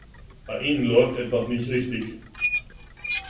Bei Ihnen läuft etwas nicht richtig.